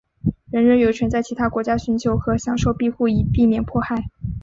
人人有权在其他国家寻求和享受庇护以避免迫害。